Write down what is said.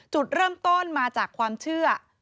จุดเริ่มต้นมาจากความเชื่อ